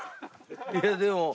いやでも。